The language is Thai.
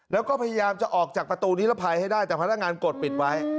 แล้วก็พยายามจะออกจากประตูนิรภัยให้ได้แต่พนักงานกดปิดไว้